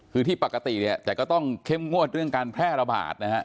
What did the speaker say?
คือที่ปกติเนี่ยแต่ก็ต้องเข้มงวดเรื่องการแพร่ระบาดนะฮะ